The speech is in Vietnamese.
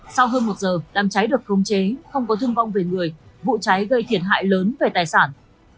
sau hơn một giờ đám cháy được khống chế không có thương vong về người vụ cháy gây thiệt hại lớn về tài sản